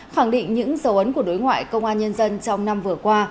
khẳng định những dấu ấn của đối ngoại công an nhân dân trong năm vừa qua